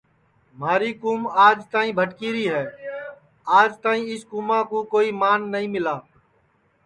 مہاری کُوم آج تک بھٹکی ری ہے آج تک اِس کُوماں کُو کوئی مُکام نائی ملا